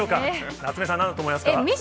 夏目さん、なんだと思いますか？